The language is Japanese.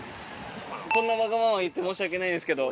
こんなわがまま言って申し訳ないですけど。